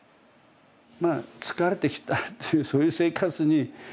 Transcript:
まあ疲れてきたっていうそういう生活に。